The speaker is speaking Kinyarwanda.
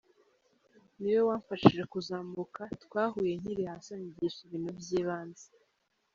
Ni we wamfashije kuzamuka, twahuye nkiri hasi anyigisha ibintu by’ibanze.